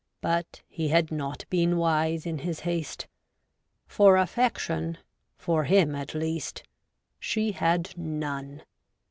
But he had not been wise in his haste ; for affection — for him, at least — she had none.